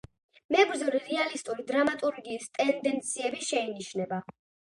მებრძოლი რეალისტური დრამატურგიის ტენდენციები შეინიშნება.